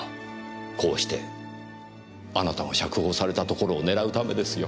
こうしてあなたが釈放されたところを狙うためですよ。